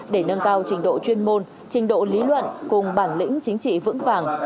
để nâng cao trình độ chuyên môn trình độ lý luận cùng bản lĩnh chính trị vững vàng